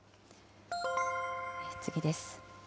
次です。